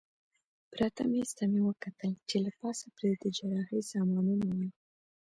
پراته مېز ته مې وکتل چې له پاسه پرې د جراحۍ سامانونه ول.